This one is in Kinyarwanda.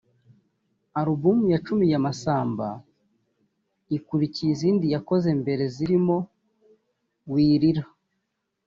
Album ya cumi ya Masamba ikurikiye izindi yakoze mbere zirimo ‘Wirira’